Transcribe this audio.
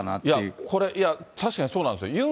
いや、これ、確かにそうなんですよ。